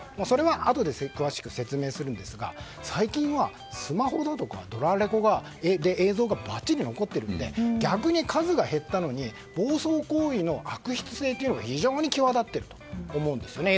それはあとで詳しく説明するんですが最近はスマホだとかドラレコで映像がばっちり残ってるので逆に数が減ったのに暴走行為の悪質性というのが非常に際立っていると思うんです。